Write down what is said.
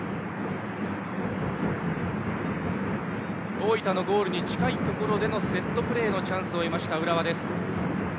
大分のゴールに近いところでのセットプレーのチャンスを得ました浦和。